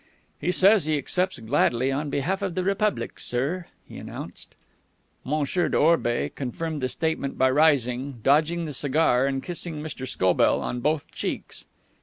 "He says he accepts gladly, on behalf of the Republic, sir," he announced. M. d'Orby confirmed the statement by rising, dodging the cigar, and kissing Mr. Scobell on both cheeks.